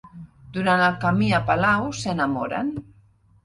Durant el camí a palau s'enamoren.